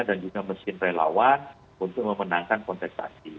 dan juga mesin relawan untuk memenangkan konteksasi